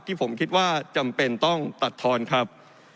ที่ผมคิดว่าจำเป็นต้องตัดทอนครับ